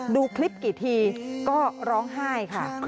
ดูคลิปกี่ทีก็ร้องไห้ค่ะ